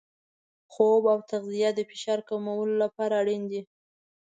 خوب او تغذیه د فشار کمولو لپاره اړین دي.